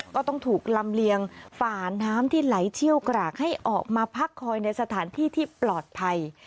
ก็ต้องถูกลำเลียงฝ่าน้ำที่ไหลเชี่ยวกรากให้ออกมาพักคอยในสถานที่ที่ปลอดภัย